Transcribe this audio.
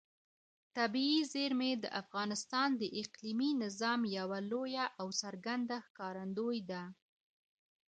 طبیعي زیرمې د افغانستان د اقلیمي نظام یوه لویه او څرګنده ښکارندوی ده.